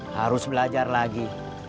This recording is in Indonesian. harus belajar lagi